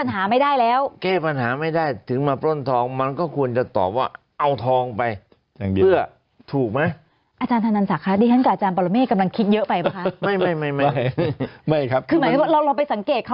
หรือวิเคราะห์อันตอบไม่ดี